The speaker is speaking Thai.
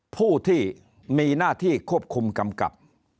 ผู้ที่มีหน้าที่ควบคุมกำกับ